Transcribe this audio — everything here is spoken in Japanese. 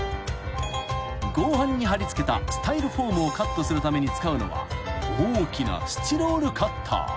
［合板に貼り付けたスタイロフォームをカットするために使うのは大きな］